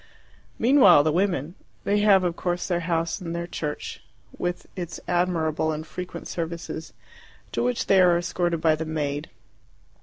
Meanwhile the women they have, of course, their house and their church, with its admirable and frequent services, to which they are escorted by the maid.